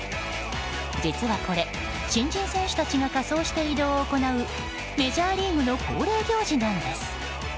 実はこれ、新人選手たちが仮装して移動を行うメジャーリーグの恒例行事なんです。